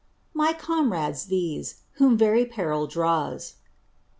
"My comrades these, whom very peril draws.''